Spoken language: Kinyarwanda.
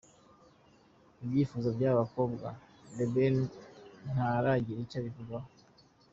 Ibyifuzo by’aba bakobwa The Ben ntaragira icyo abivugaho.